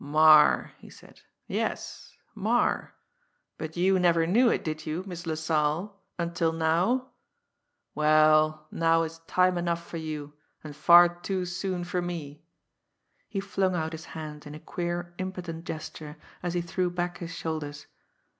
"Marre," he said. "Yes Marre. But you never knew it, did you, Miss LaSalle until now! Well, now is time enough for you, and far too soon for me!" He flung out his hand in a queer, impotent gesture, as he threw back his shoulders.